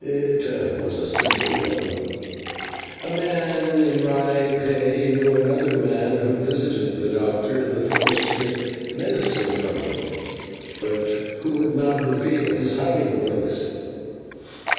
"It was a simple one, a man in my pay knew another man who visited the doctor in the forest to get medicine from him, but who would not reveal his hiding place.